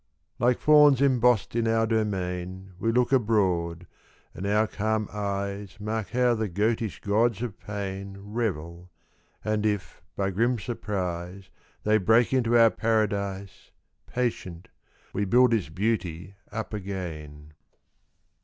Like fauns embossed in our domain, We look abroad, and our calm eyes Mark how the goatish gods of pain Revel, and if by grim surprise They break into our paradise, Patient, we build its beauty up again.